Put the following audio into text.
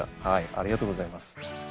ありがとうございます。